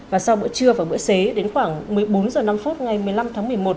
và sau bữa trưa và bữa xế đến khoảng một mươi bốn h năm ngày một mươi năm tháng một mươi một